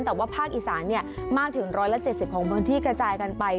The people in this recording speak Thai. แต่ว่าภาคอีสานเนี่ยมากถึงร้อยละเจ็ดสิบของพื้นที่กระจายกันไป